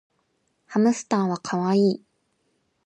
ハムスターはかわいい